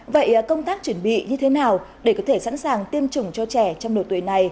vậy công tác chuẩn bị như thế nào để có thể sẵn sàng tiêm phòng vắc xin cho trẻ